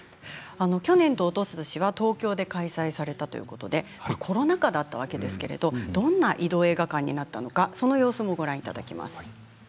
去年とおととしは東京で開催されたということでコロナ禍だったわけですけれどどんな移動映画館になったのかその様子もご覧いただきます。